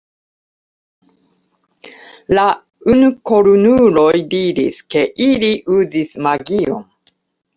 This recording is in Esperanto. La unukornuloj diris, ke ili uzis magion.